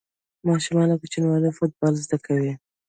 ماشومان له کوچنیوالي فوټبال زده کوي.